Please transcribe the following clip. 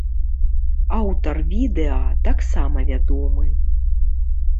Аўтар відэа таксама вядомы.